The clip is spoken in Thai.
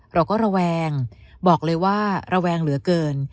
ระแวงบอกเลยว่าระแวงเหลือเกิน